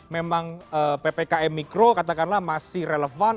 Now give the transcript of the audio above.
memang ppkm mikro katakanlah masih relevan